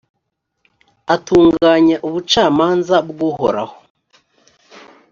atunganya ubucamanza bw’uhoraho.